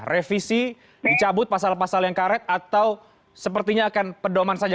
revisi dicabut pasal pasal yang karet atau sepertinya akan pedoman saja